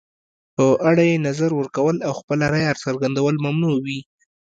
په اړه یې نظر ورکول او خپله رایه څرګندول ممنوع وي.